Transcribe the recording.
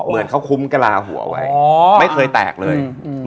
เหมือนเขาคุ้มกระลาหัวไว้ไม่เคยแตกเลย